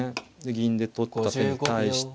銀で取った手に対して。